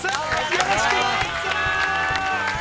よろしくお願いします。